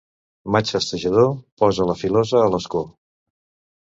Maig festejador, posa la filosa a l'escó.